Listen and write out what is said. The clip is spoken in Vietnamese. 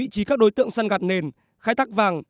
các đối tượng săn gạt nền khai thác vàng